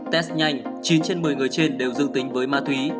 test nhanh chín trên một mươi người trên đều dương tính với ma túy